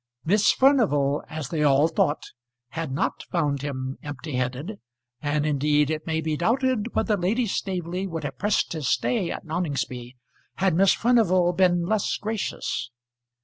Miss Furnival, as they all thought, had not found him empty headed. And, indeed, it may be doubted whether Lady Staveley would have pressed his stay at Noningsby, had Miss Furnival been less gracious.